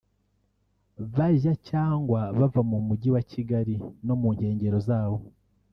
bajya cyangwa bava mu Mujyi wa Kigali no mu nkengero zawo